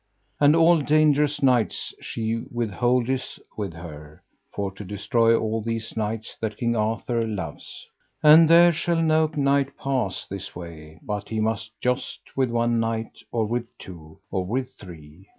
And all dangerous knights she withholdeth with her, for to destroy all these knights that King Arthur loveth. And there shall no knight pass this way but he must joust with one knight, or with two, or with three.